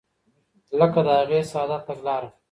لکه د هغې ساده تګلاره.